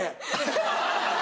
ハハハ！